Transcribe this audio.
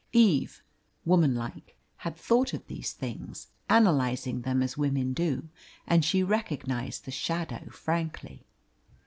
Eve, womanlike, had thought of these things, analysing them as women do, and she recognised the shadow frankly.